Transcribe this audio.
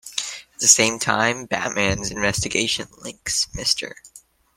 At the same time, Batman's investigation links Mr.